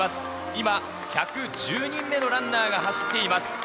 今、１１０人目のランナーが走っています。